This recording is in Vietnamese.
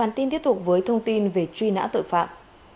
bản tin tiếp tục với thông tin về truy nã tội phạm